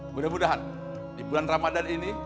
mudah mudahan di bulan ramadan ini